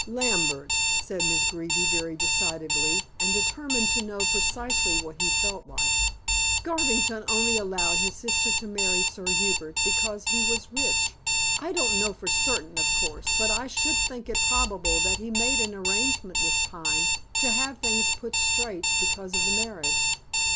"Lambert," said Miss Greeby very decidedly, and determined to know precisely what he felt like, "Garvington only allowed his sister to marry Sir Hubert because he was rich. I don't know for certain, of course, but I should think it probable that he made an arrangement with Pine to have things put straight because of the marriage."